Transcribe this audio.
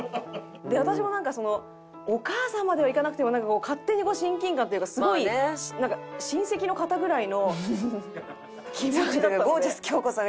私もなんかお母さんまではいかなくても勝手に親近感というかすごい親戚の方ぐらいの。